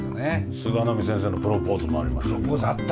菅波先生のプロポーズもありました。